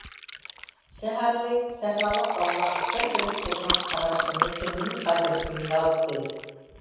شەھەرلىك، سەھرالىق بالىلار بىر-بىرىگە بولغان قاراشلىرىنى كۈندىلىك خاتىرىسىگە يازدى.